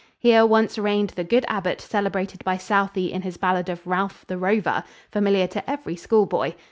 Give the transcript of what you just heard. Here once reigned the good abbott celebrated by Southey in his ballad of Ralph the Rover, familiar to every schoolboy.